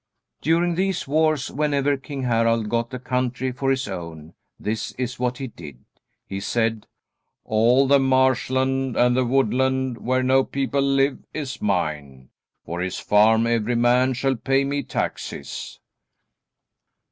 During these wars, whenever King Harald got a country for his own, this is what he did. He said: "All the marshland and the woodland where no people live is mine. For his farm every man shall pay me taxes."